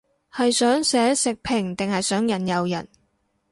係想寫食評定係想引誘人